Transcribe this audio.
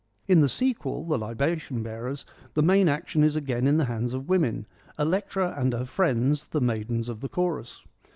In the sequel, The Libation Bearers, the main action is again in the hands of women, Electra and her friends, the maidens of the chorus.